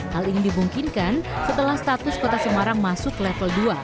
hal ini dimungkinkan setelah status kota semarang masuk level dua